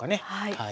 はい。